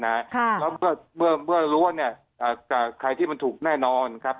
แล้วเมื่อรู้ว่าใครที่มันถูกแน่นอน